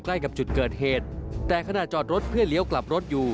ใกล้กับจุดเกิดเหตุแต่ขณะจอดรถเพื่อเลี้ยวกลับรถอยู่